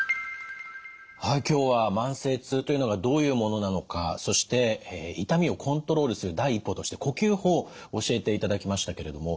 はい今日は慢性痛というのがどういうものなのかそして痛みをコントロールする第一歩として呼吸法教えていただきましたけれども。